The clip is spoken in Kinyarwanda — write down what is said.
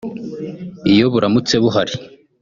iyo buramutse buhari